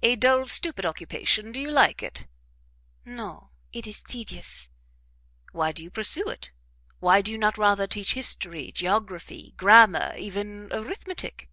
"A dull, stupid occupation; do you like it?" "No it is tedious." "Why do you pursue it? Why do you not rather teach history, geography, grammar, even arithmetic?"